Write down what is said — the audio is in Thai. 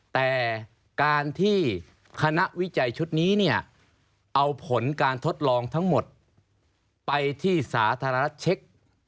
แต่การที่คณะวิจัยชุดนี้เนี่ยเอาผลการทดลองทั้งหมดไปที่สาธารณเช็ค